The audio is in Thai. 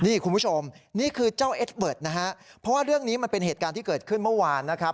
นี่คุณผู้ชมนี่คือเจ้าเอ็ดเบิร์ตนะฮะเพราะว่าเรื่องนี้มันเป็นเหตุการณ์ที่เกิดขึ้นเมื่อวานนะครับ